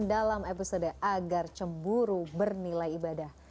dalam episode agar cemburu bernilai ibadah